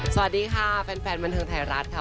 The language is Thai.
สวัสดีค่ะแฟนบันเทิงไทยรัฐค่ะ